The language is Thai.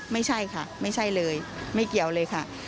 ไม่ใช่ค่ะไม่ใช่เลยไม่เกี่ยวเลยค่ะ